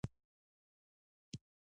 پلار د هڅې نمونه ده.